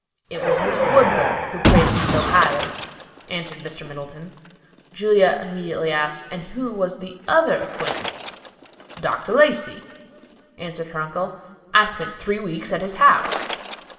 "It was Miss Woodburn who praised you so highly," answered Mr. Middleton. Julia immediately asked, "And who was the other acquaintance?" "Dr. Lacey," answered her uncle. "I spent three weeks at his house."